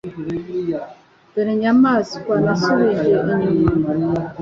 Dore inyamaswa nasubije inyuma